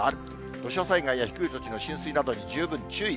土砂災害や低い土地の浸水などに十分注意。